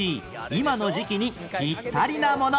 今の時期にピッタリなもの